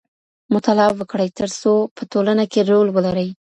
مطالعه وکړئ ترڅو په ټولنه کي رول ولرئ.